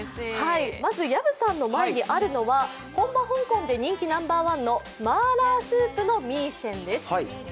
まず、薮さんの前にあるのは本場香港で人気のマーラースープのミーシェンです。